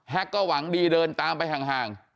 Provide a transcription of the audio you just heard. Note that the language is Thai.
ก็หวังดีเดินตามไปห่าง